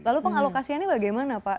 lalu pengalokasiannya bagaimana pak